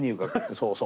そうそう。